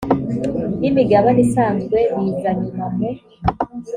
y imigabane isanzwe biza nyuma mu